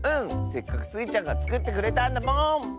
せっかくスイちゃんがつくってくれたんだもん！